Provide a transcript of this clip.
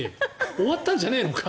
終わったんじゃないのか。